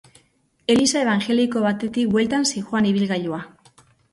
Eliza ebanjeliko batetik bueltan zihoan ibilgailua.